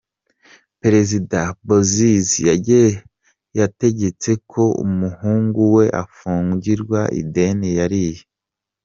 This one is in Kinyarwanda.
Perezida Bozize yategetse ko umuhungu we afungirwa ideni yariye